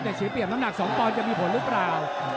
แต่เศรียบน้ำหนักสองปอนด์จะมีผลหรือใคร